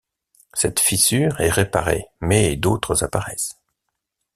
Cette fissure est réparée mais d'autres apparaissent.